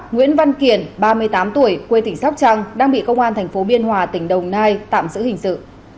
nguyễn văn kiển ba mươi tám tuổi quê tỉnh sóc trăng đang bị công an tp biên hòa tỉnh đồng nai tạm giữ hình sự